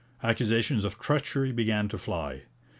Accusations of treachery began to fly.